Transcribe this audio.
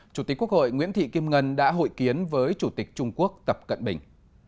chủ tịch quốc hội nguyễn thị kim ngân đã hội kiến với chủ tịch trung quốc tập cận bình